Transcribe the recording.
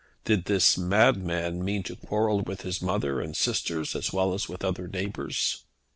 Did this madman mean to quarrel with his mother and sisters as well as with his other neighbours?